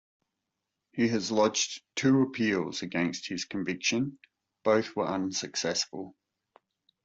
He has lodged two appeals against his conviction; both were unsuccessful.